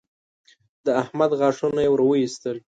د احمد غاښونه يې ور واېستل